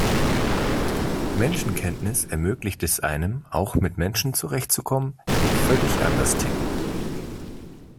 Menschenkenntnis ermöglicht es einem, auch mit Menschen zurecht zu kommen, die völlig anders ticken.